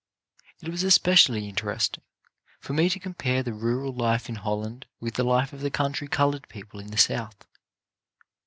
It was especially interesting for me to compare the rural life in Holland with the life of the coun try coloured people in the South.